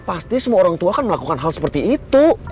pasti semua orang tua kan melakukan hal seperti itu